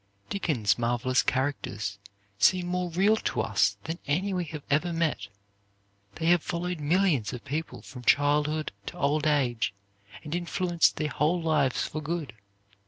Dickens' marvelous characters seem more real to us than any we have ever met. They have followed millions of people from childhood to old age, and influenced their whole lives for good.